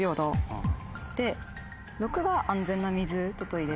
で６が安全な水とトイレ。